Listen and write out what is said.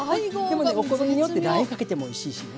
でもねお好みによってラー油かけてもおいしいしね。